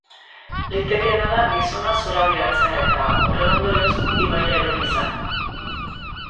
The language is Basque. Litekeena da gizona zorabiatzea eta, horren ondorioz, ibaira erori izana.